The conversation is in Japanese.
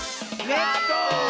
「ねっと」！